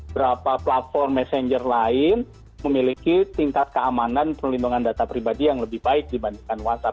berapa platform messenger lain memiliki tingkat keamanan perlindungan data pribadi yang lebih baik dibandingkan whatsapp